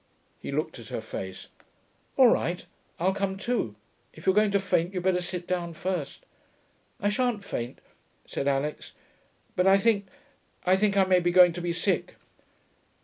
He looked at her face. 'All right. I'll come too.... If you're going to faint, you'd better sit down first.' 'I shan't faint,' said Alix. 'But I think ... I think I may be going to be sick.'